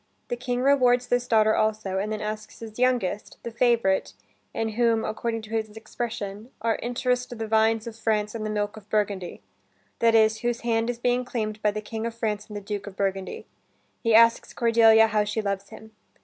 The king rewards this daughter, also, and then asks his youngest, the favorite, in whom, according to his expression, are "interess'd the vines of France and the milk of Burgundy," that is, whose hand is being claimed by the King of France and the Duke of Burgundy, he asks Cordelia how she loves him.